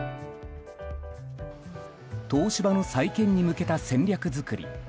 東芝の再建に向けた戦略作り。